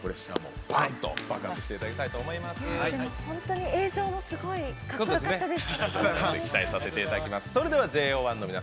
本当に映像もすごいかっこよかったです。